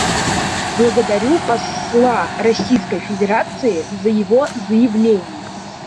Благодарю посла Российской Федерации за его заявление.